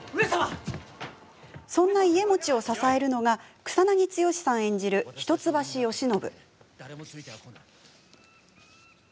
そんな家茂を支えるのが草なぎ剛さん演じる一橋慶喜。